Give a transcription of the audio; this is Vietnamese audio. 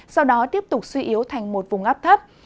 sau đó tiếp tục suy yếu thành một vùng áp thấp